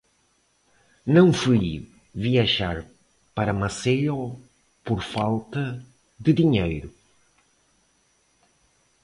Não fui viajar para Maceió por falta de dinheiro.